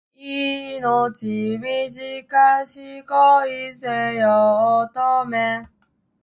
命短し恋せよ乙女